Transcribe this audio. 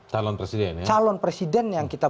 calon presiden calon presiden yang kita